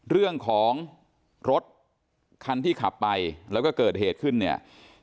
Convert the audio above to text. เรื่องของรถคันที่ขับไปแล้วก็เกิดเหตุขึ้นเนี่ย